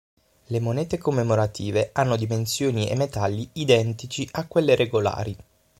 Le monete commemorative hanno dimensioni e metalli identici a quelle regolari.